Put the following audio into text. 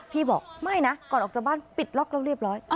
พี่บอกไม่นะก่อนออกจากบ้านปิดล็อกแล้วเรียบร้อย